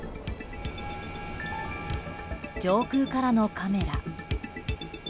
上空からのカメラ。